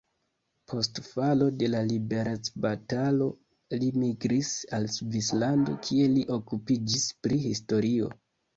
Post falo de la liberecbatalo li migris al Svislando, kie li okupiĝis pri historio.